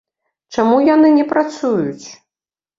Чаму яны не працуюць?